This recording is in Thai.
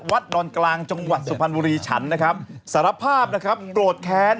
ดอนกลางจังหวัดสุพรรณบุรีฉันนะครับสารภาพนะครับโกรธแค้น